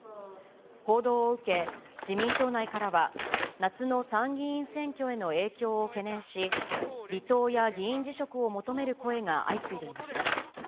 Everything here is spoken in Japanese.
報道を受け、自民党内からは、夏の参議院選挙への影響を懸念し、離党や議員辞職を求める声が相次いでいました。